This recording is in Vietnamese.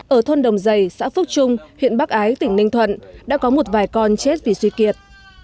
ở thôn đồng giày xã phước trung huyện bắc ái tỉnh ninh thuận đã có một vài con chết vì suy kiệt